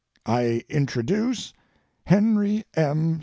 I introduce Henry M.